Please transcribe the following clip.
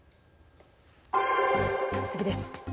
次です。